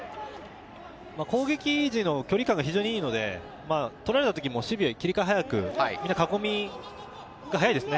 攻撃時の距離感が非常にいいので、取られた時も守備に切り替え早く、囲みが速いですね。